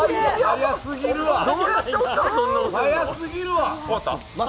速すぎるわ！